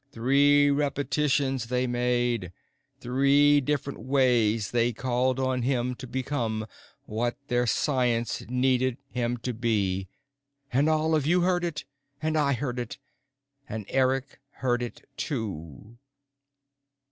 Three repetitions they made. Three different ways they called on him to become what their science needed him to be. And all of you heard it, and I heard it, and Eric heard it too."